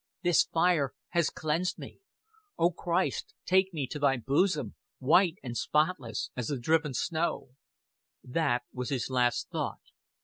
"This fire has cleansed me. O Christ, take me to Thy bosom, white and spotless as the driven snow." That was his last thought.